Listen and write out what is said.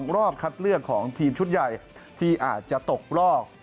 รอบคัดเลือกของทีมชุดใหญ่ที่อาจจะตกรอบ